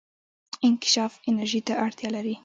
انکشاف انرژي ته اړتیا لري.